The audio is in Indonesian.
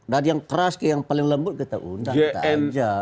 dari yang keras ke yang paling lembut kita undang